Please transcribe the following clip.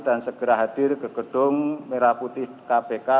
dan segera hadir ke gedung merah putih kpk